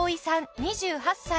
２８歳。